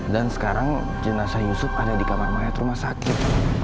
dan sekarang jenazah yusuf ada di kamar mayat rumah sakit